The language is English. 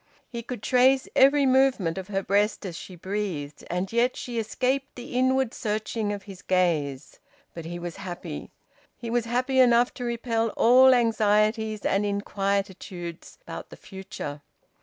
He could trace every movement of her breast as she breathed, and yet she escaped the inward searching of his gaze. But he was happy. He was happy enough to repel all anxieties and inquietudes about the future.